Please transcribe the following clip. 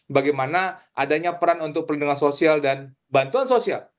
bagaimana adanya peran untuk perlindungan sosial dan bantuan sosial